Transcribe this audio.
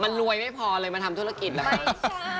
มันรวยไม่พอเลยมาทำธุรกิจหรือเปล่า